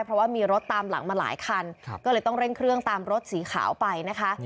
เพราะว่ามีรถตามหลังมาหลายคันก็เลยต้องเร่งเครื่องตามรถสีขาวไปนะคะ